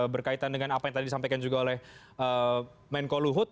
berkaitan dengan apa yang tadi disampaikan juga oleh menko luhut